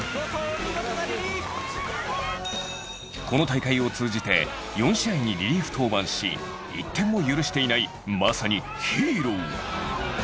この大会を通じて４試合にリリーフ登板し１点も許していないまさにヒーロー。